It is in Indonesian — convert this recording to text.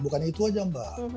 bukan itu saja mbak